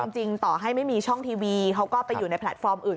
จริงต่อให้ไม่มีช่องทีวีเขาก็ไปอยู่ในแพลตฟอร์มอื่น